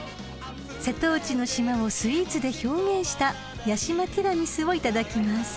［瀬戸内の島をスイーツで表現した屋島ティラミスをいただきます］